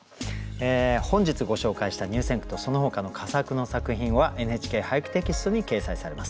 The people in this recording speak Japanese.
本日ご紹介した入選句とそのほかの佳作の作品は「ＮＨＫ俳句」テキストに掲載されます。